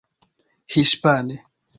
hispane